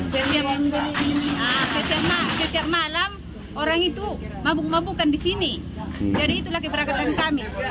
jadi itulah keberatan kami